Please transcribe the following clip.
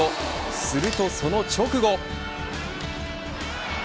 するとその直後。